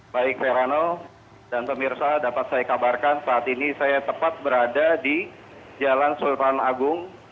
baik rano dan pemirsa dapat saya kabarkan saat ini saya tepat berada di jalan sultan agung